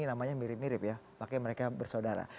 namanya mirip mirip ya pakai mereka bersaudara